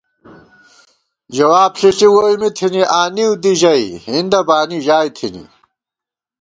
جواب ݪِݪی ووئی می تھنی آنِؤ دی ژَئی ہِندہ بانی ژائی تھنی